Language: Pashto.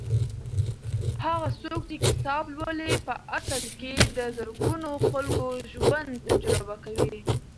هغه څوک چې کتاب لولي په اصل کې د زرګونو خلکو ژوند تجربه کوي.